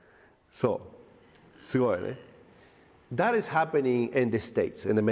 そうすごいね。